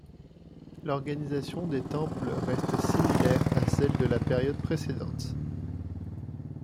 L'organisation des temples reste similaire à celle de la période précédente.